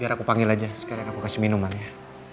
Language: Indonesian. biar aku panggil aja sekarang aku kasih minuman ya